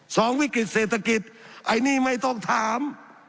สองวิกฤติเศรษฐกิจไอ้นี่ไม่ต้องถาม